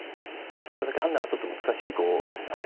それだけ判断がちょっと難しい碁。